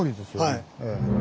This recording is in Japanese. はい。